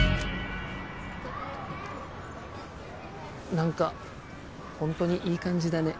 何かほんとにいい感じだね。